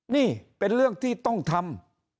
นี่เป็นเรื่องที่ต้องทำ